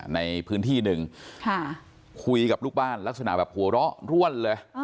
ในพื้นที่หนึ่งคุยกับลูกบ้านลักษณะแบบหัวเราะร่วนเลย